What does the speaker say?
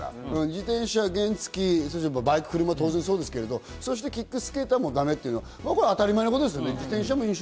自転車、原付、バイク、車、当然ですがキックスケーターもだめというのは当たり前のことです。